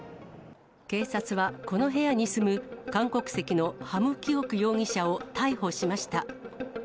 警察は、この部屋に住む韓国籍のハム・キオク容疑者を逮捕しました。